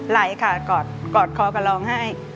ไหลค่ะกอดขอกระรองให้